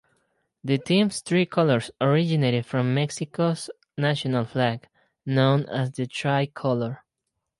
The team's three colors originated from Mexico's national flag, known as the tricolor.